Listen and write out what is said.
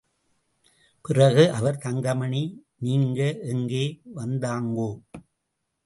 பிறகு அவர் தங்கமணி, நீங்க எங்கே வந்தாங்கோ?